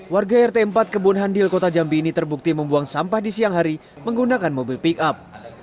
warga rt empat kebun handil kota jambi ini terbukti membuang sampah di siang hari menggunakan mobil pick up